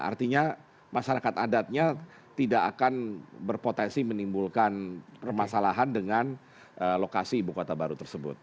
artinya masyarakat adatnya tidak akan berpotensi menimbulkan permasalahan dengan lokasi ibu kota baru tersebut